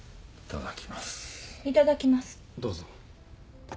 どうぞ。